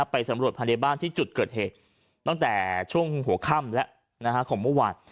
ไปสำรวจภายในบ้านที่จุดเกิดเหตุตั้งแต่ช่วงหัวค่ำแล้วของเมื่อวาน